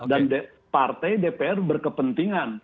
dan partai dpr berkepentingan